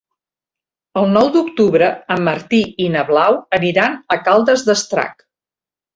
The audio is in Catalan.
El nou d'octubre en Martí i na Blau aniran a Caldes d'Estrac.